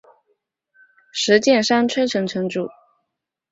石见山吹城城主。